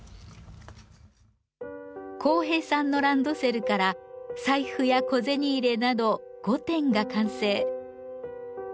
公平さんのランドセルから財布や小銭入れなど５点が完成。